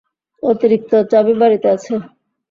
অতিরিক্ত চাবি বাড়িতে আছে।